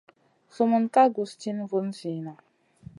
Sumun ka guss tìna vun zina.